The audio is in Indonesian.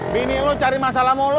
bini lo cari masalah mulu